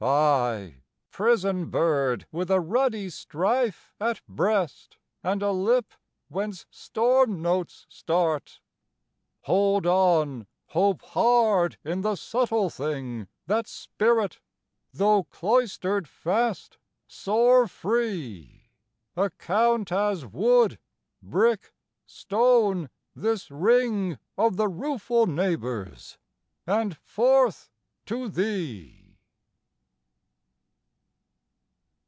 I prison bird, with a ruddy strife At breast, and a lip whence storm notes start 20 Hold on, hope hard in the subtle thing That's spirit: tho' cloistered fast, soar free; Account as wood, brick, stone, this ring Of the rueful neighbours, and forth to thee!